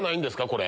これ。